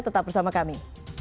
tetap bersama kami